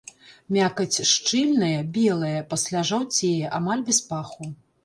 Мякаць шчыльная, белая, пасля жаўцее, амаль без паху.